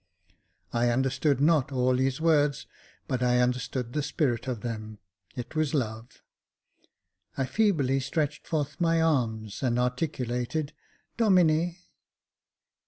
I understood not all his words, but I understood the spirit of them — it was love. I feebly stretched forth my arms, and articulated "Domine!"